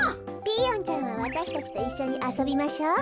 ピーヨンちゃんはわたしたちといっしょにあそびましょう。